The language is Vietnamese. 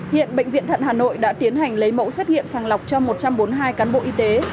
hiện bệnh viện thận hà nội đã tiến hành lấy mẫu xét nghiệm sàng lọc cho một trăm bốn mươi hai cán bộ y tế